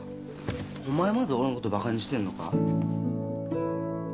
お前まで俺のことバカにしてんのか？